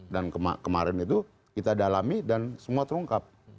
dan kemarin itu kita dalami dan semua terungkap